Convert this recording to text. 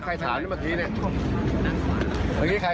ก็คือต้องการที่จะอยู่ต่อ๕ปี